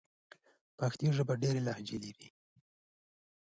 پښتو ژبه ډېري لهجې لري.